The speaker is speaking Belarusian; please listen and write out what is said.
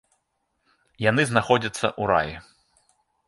Яны знаходзяцца ў раі.